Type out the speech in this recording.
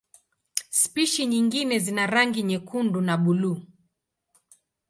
Spishi nyingine zina rangi nyekundu na buluu.